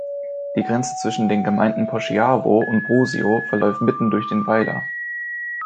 Die Grenze zwischen den Gemeinden Poschiavo und Brusio verläuft mitten durch den Weiler.